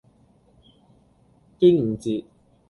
端午節